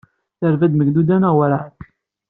Terba-d Megduda neɣ werɛad?